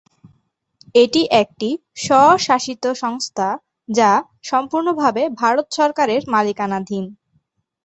এটি একটি স্বশাসিত সংস্থা যা সম্পূর্ণ ভাবে ভারত সরকারের মালিকানাধীন।